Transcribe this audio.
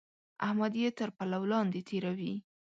احمد يې تر پلو لاندې تېروي.